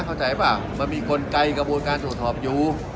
เข้าใจป่ะมันมีกลไกกระบวนการตรวจสอบอยู่